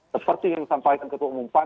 seperti yang disampaikan ketua umum pan